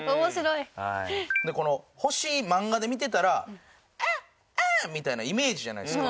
この星漫画で見てたら「アッアッ」みたいなイメージじゃないですか。